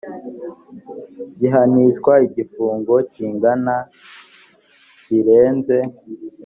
gihanishwa igifungo kingana kirenze